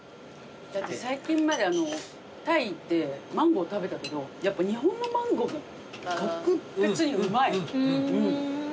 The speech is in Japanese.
最近までタイ行ってマンゴー食べたけどやっぱ日本のマンゴー格別にうまい。